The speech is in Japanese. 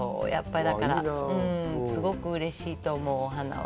すごくうれしいと思う、お花は。